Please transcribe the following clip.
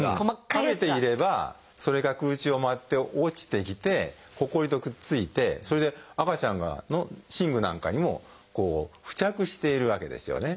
食べていればそれが空中を舞って落ちてきてほこりとくっついてそれで赤ちゃんの寝具なんかにも付着しているわけですよね。